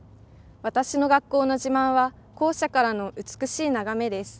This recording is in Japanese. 私の学校の自慢は校舎からの美しい眺めです。